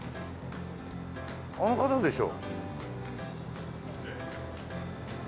あの方でしょ。